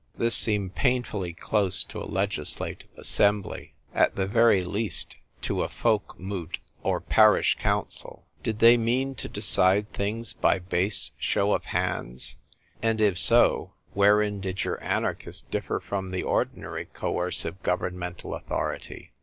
This seemed painfully close to a legislative assembly — at the very least to a folk moot or parish council. Did they mean to decide things by base show of hands ? And if so, wherein did your anarchist differ from the ordinary coercive governmental authority